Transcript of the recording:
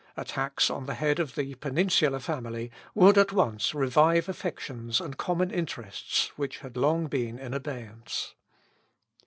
Attacks on the head of the Peninsular family would at once revive affections and common interests which had long been in abeyance.